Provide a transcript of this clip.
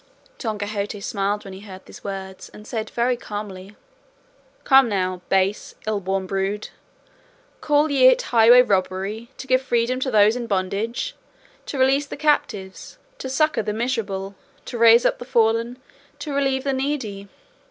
Don Quixote smiled when he heard these words, and said very calmly, "Come now, base, ill born brood; call ye it highway robbery to give freedom to those in bondage, to release the captives, to succour the miserable, to raise up the fallen, to relieve the needy?